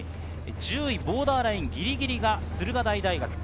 １０位、ボーダーラインぎりぎりが駿河台大学。